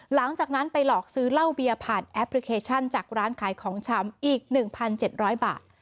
หลังจากนั้นไปหลอกซื้อเหล้าเบียร์ผ่านแอปพลิเคชันจากร้านขายของชำอีก๑๗๐๐บาท